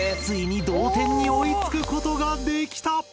ついに同点に追いつくことができた！